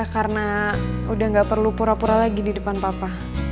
karena udah gak perlu pura pura lagi di depan papa